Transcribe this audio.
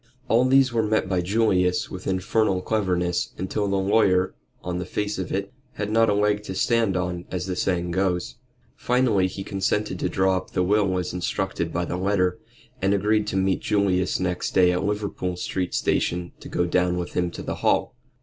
All these were met by Julius with infernal cleverness, until the lawyer on the face of it had not a leg to stand on, as the saying goes. Finally he consented to draw up the will as instructed by the letter, and agreed to meet Julius next day at Liverpool Street Station to go down with him to the Hall.